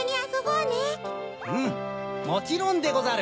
うんもちろんでござる！